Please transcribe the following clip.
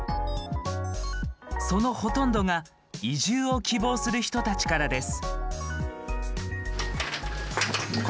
そのほとんどが移住を希望する人たちからです。